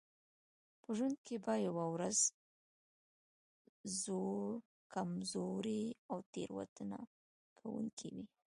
په ژوند کې به یوه ورځ زوړ کمزوری او تېروتنه کوونکی وئ.